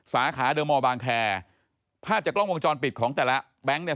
สาขาเดอร์มอลบางแคร์ภาพจากกล้องวงจรปิดของแต่ละแบงค์เนี่ย